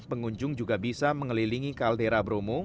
pengunjung juga bisa mengelilingi kaldera bromo